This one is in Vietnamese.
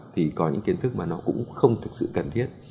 thì có những kiến thức mà nó cũng không thực sự cần thiết